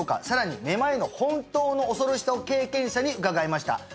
さらにめまいの本当の恐ろしさを経験者に伺いました